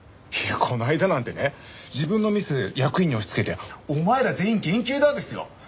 いやこの間なんてね自分のミス役員に押しつけて「お前ら全員減給だ！」ですよ。